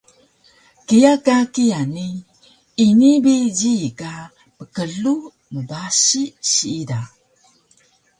Kiya ka kiya ni ini bi jiyi ka pklug mbasi siida